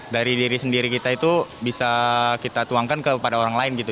dari diri sendiri kita itu bisa kita tuangkan kepada orang lain gitu